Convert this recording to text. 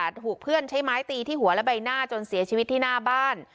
ถูกเพื่อนใช้ไม้ตีที่หัวและใบหน้าจนเสียชีวิตที่หน้าบ้าน